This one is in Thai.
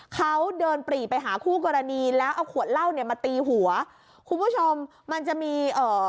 เขาเดินปรีไปหาคู่กรณีแล้วเอาขวดเหล้าเนี่ยมาตีหัวคุณผู้ชมมันจะมีเอ่อ